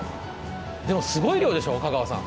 でもすごい量でしょう、香川さん。